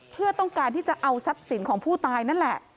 เพื่อต้องการที่จะเอาทรัพย์สินของผู้ตายนั่นแหละ